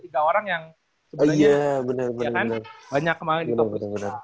tiga orang yang sebenarnya banyak kemarin di top tiga